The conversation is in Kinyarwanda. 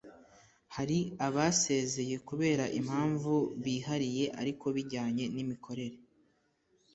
Hari abasezeye kubera impamvu bihariye ariko bijyanye n’imikorere